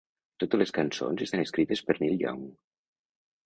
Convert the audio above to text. Totes les cançons estan escrites per Neil Young.